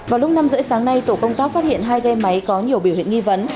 vào lúc năm giờ sáng nay tổ công tác phát hiện hai ghe máy có nhiều biểu hiện nghi vấn